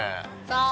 さあ？